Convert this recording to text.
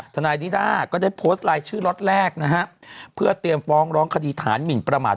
ทนายนิด้าก็ได้โพสต์ลายชื่อล็อตแรกนะฮะเพื่อเตรียมฟ้องร้องคดีฐานหมินประมาท